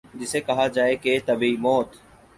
جسے کہا جائے کہ طبیعی موت